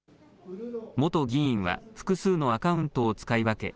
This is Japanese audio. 元議員は複数のアカウントを使い分け